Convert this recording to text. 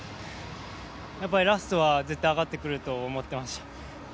やっぱりラストは絶対上がってくると思ってました。